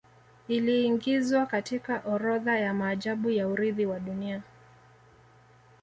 Iliiingizwa katika orodha ya maajabu ya Urithi wa Dunia